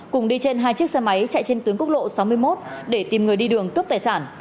cùng đi trên hai chiếc xe máy chạy trên tuyến quốc lộ sáu mươi một để tìm người đi đường cướp tài sản